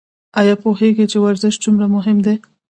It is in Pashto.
ایا پوهیږئ چې ورزش څومره مهم دی؟